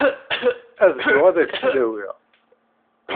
Ad dduɣ ad ak-tt-id-awiɣ.